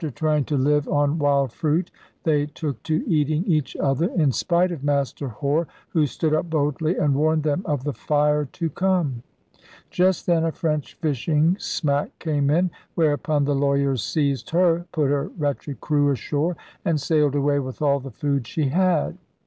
After trying to live on wild fruit they took to eating each other, in spite of Master Hore, who stood up boldly and warned them of the 'Fire to Come.' Just then a French fishing smack came in; whereupon the lawyers seized her, put her wretched crew ashore, and sailed away with all the food she had.